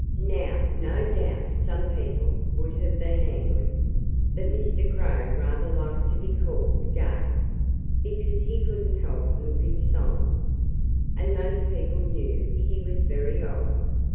Now, no doubt some people would have been angry. But Mr. Crow rather liked to be called gay, because he couldn't help looking solemn. And most people knew he was very old.